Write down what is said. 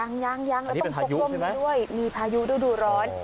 ยังแล้วต้องพกพร่มด้วยมีพายุด้วยดูร้อน